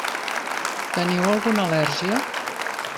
Teniu alguna al·lèrgia?